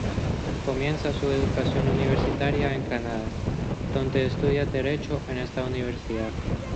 Comienza su educación universitaria en Granada donde estudia derecho en esta Universidad.